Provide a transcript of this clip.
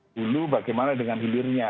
hulu bagaimana dengan hilirnya